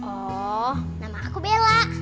oh nama aku bella